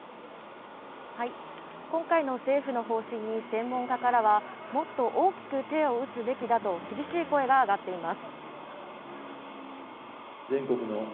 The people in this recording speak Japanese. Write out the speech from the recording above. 今回の政府の方針に専門家からはもっと大きく手を打つべきだと厳しい声が上がっています。